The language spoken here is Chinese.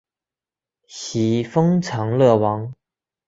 徙封长乐王。